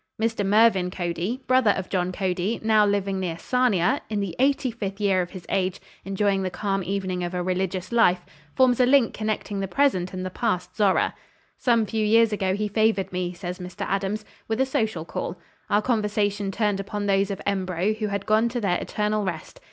Mr. Mervin Cody, brother of John Cody, now living near Sarnia, in the eighty fifth year of his age, enjoying the calm evening of a religious life, forms a link connecting the present and the past Zorra. "Some few years ago he favored me," says Mr. Adams, "with a social call. Our conversation turned upon those of Embro who had gone to their eternal rest.